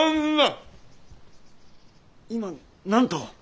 今何と？